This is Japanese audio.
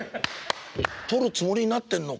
とるつもりになってんのか」